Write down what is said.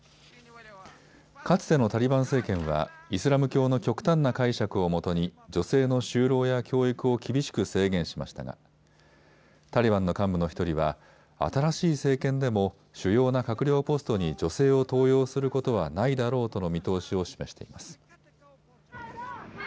かつてのタリバン政権はイスラム教の極端な解釈をもとに女性の就労や教育を厳しく制限しましたがタリバンの幹部の１人は新しい政権でも主要な閣僚ポストに女性を登用することはないだろうとの見通しを示しています。